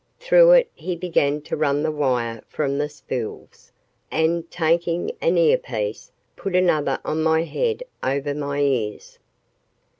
Through it he began to run the wire from the spools, and, taking an earpiece, put another on my head over my ears.